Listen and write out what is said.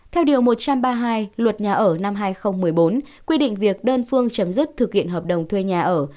theo điều một trăm ba mươi hai luật nhà ở năm hai nghìn một mươi bốn quy định việc đơn phương chấm dứt thực hiện hợp đồng thuê nhà ở